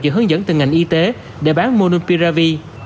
giữ hướng dẫn từ ngành y tế để bán monubiravir